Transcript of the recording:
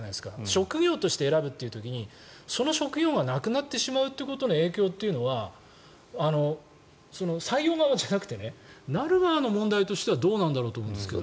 職業として選ぶという時にその職業がなくなってしまうことの影響というのは採用側じゃなくてなる側の問題としてはどうなんだろうと思うんですけど。